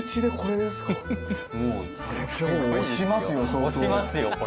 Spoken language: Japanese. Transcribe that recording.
押しますよこれ。